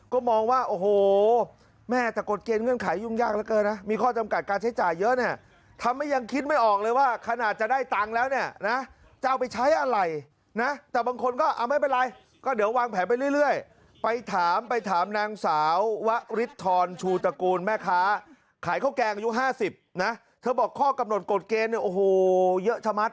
ก็มองว่าโอ้โหแม่แต่กฎเกณฑ์เงื่อนไขยุ่งยากเหลือเกินนะมีข้อจำกัดการใช้จ่ายเยอะเนี่ยทำให้ยังคิดไม่ออกเลยว่าขนาดจะได้ตังค์แล้วเนี่ยนะจะเอาไปใช้อะไรนะแต่บางคนก็เอาไม่เป็นไรก็เดี๋ยววางแผนไปเรื่อยไปถามไปถามนางสาววะฤทธรชูตระกูลแม่ค้าขายข้าวแกงอายุ๕๐นะเธอบอกข้อกำหนดกฎเกณฑ์เนี่ยโอ้โหเยอะชะมัด